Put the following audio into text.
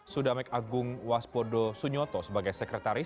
sudamek agung waspodo sunyoto sebagai sekretaris